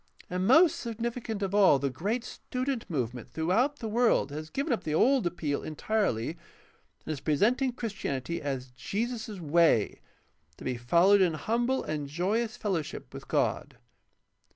And most significant of all the great Student Movement throughout the world has given up the old appeal entirely and is presenting Christianity as Jesus' Way, to be followed in humble and joyous fellowship with God.